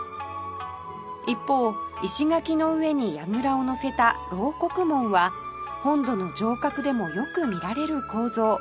一方石垣の上に櫓をのせた漏刻門は本土の城郭でもよく見られる構造